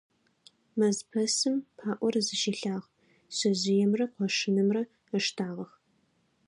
Мэзпэсым паӀор зыщилъагъ, шъэжъыемрэ къошынымрэ ыштагъэх.